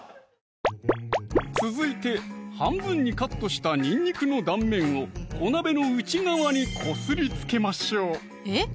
続いて半分にカットしたにんにくの断面を小鍋の内側にこすりつけましょうえっ？